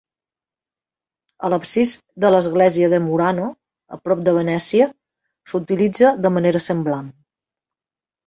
A l'absis de l'església de Murano, a prop de Venècia, s'utilitza de manera semblant.